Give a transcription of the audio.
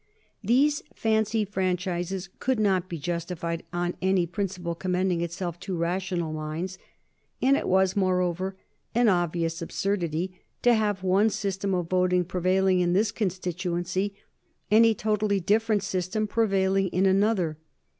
These fancy franchises could not be justified on any principle commending itself to rational minds, and it was, moreover, an obvious absurdity to have one system of voting prevailing in this constituency and a totally different system prevailing in another.